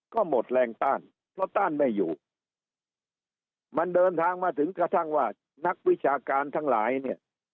ก็หมดแรงต้านเพราะต้านไม่อยู่มันเดินทางมาถึงกระทั่งว่านักวิชาการทั้งหลายเนี่ย